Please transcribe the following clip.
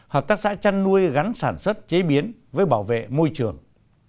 hợp tác xã chăn nuôi gắn sản xuất chế biến với bảo vệ môi trường